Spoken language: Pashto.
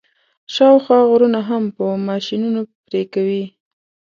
شاوخوا غرونه هم په ماشینونو پرې کوي.